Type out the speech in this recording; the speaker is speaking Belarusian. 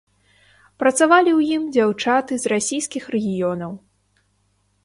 Працавалі ў ім дзяўчаты з расійскіх рэгіёнаў.